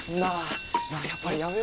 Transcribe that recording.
やっぱりやめようよ。